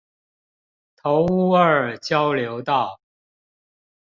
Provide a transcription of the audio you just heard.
頭屋二交流道